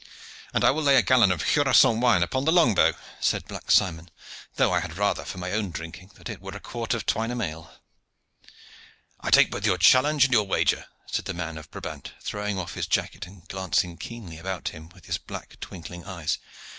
"And I will lay a gallon of Jurancon wine upon the long bow," said Black Simon, "though I had rather, for my own drinking, that it were a quart of Twynham ale." "I take both your challenge and your wager," said the man of Brabant, throwing off his jacket and glancing keenly about him with his black, twinkling eyes.